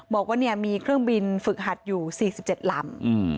บอกว่ามีเครื่องบินฝึกหัดอยู่๔๗ลำ